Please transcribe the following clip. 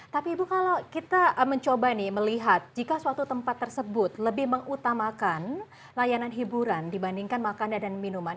tapi ibu kalau kita mencoba nih melihat jika suatu tempat tersebut lebih mengutamakan layanan hiburan dibandingkan makanan dan minuman